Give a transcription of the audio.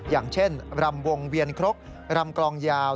อย่างเช่นรำวงเวียนครกรำกลองยาว